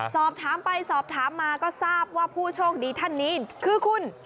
สอบถามไปสอบถามมาก็ทราบว่าผู้โชคดีท่านนี้คือคุณ